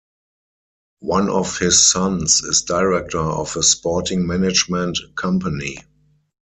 One of his sons is director of a sporting management company.